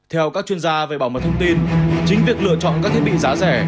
theo các chuyên gia về bảo mật thông tin chính việc lựa chọn các thiết bị giá rẻ